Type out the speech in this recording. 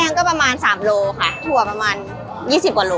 งก็ประมาณ๓โลค่ะถั่วประมาณ๒๐กว่าโล